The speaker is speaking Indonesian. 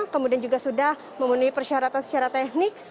kemudian juga sudah memenuhi persyaratan secara teknis